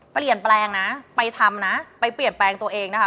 เปลี่ยนแปลงนะไปทำนะไปเปลี่ยนแปลงตัวเองนะคะ